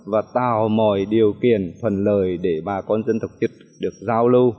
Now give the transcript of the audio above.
và tạo mọi điều kiện thuần lời để bà con dân tộc chức được giao lưu